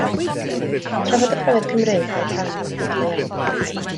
Trafod y profiad Cymraeg fel rhan o'r byd go-iawn.